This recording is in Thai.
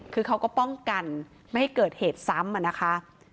คือเขาก็ป้องกันไม่ให้เกิดเหตุซ้ำอะนะคะ